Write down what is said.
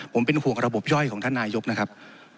ผมเป็นห่วงระบบย่อยของท่านนายกนะครับ